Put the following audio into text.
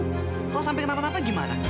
kalau sampai kenapa napa gimana